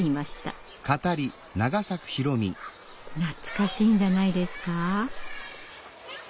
懐かしいんじゃないですか？